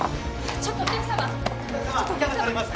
ちょっとお客さま。